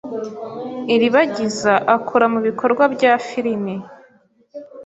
Iribagiza akora mubikorwa bya firime.